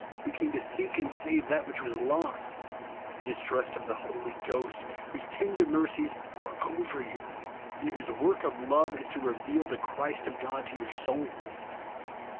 who came to seek and save that which was lost ; distrust of the Holy Ghost, whose tender mercies are over you, and whose work of love is to reveal the Christ TRUTH OF THE GOSPEL. of God xo your souls.